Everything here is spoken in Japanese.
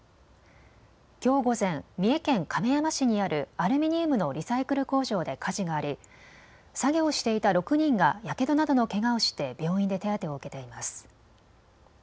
きょう午前、三重県亀山市にあるアルミニウムのリサイクル工場で火事があり作業をしていた６人がやけどなどのけがをして病院で手当てを受けています。